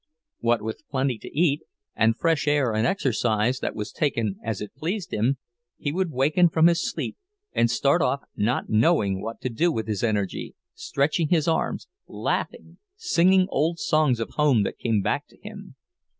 What with plenty to eat and fresh air and exercise that was taken as it pleased him, he would waken from his sleep and start off not knowing what to do with his energy, stretching his arms, laughing, singing old songs of home that came back to him.